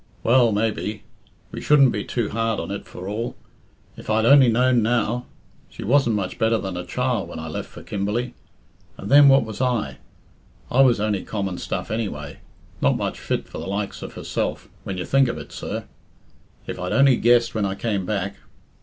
Well, maybe! We shouldn't be too hard on it for all.... If I'd only known now.... She wasn't much better than a child when I left for Kimberley... and then what was I? I was only common stuff anyway... not much fit for the likes of herself, when you think of it, sir.... If I'd only guessed when I came back....